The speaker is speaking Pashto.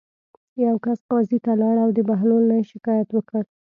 یوه کس قاضي ته لاړ او د بهلول نه یې شکایت وکړ.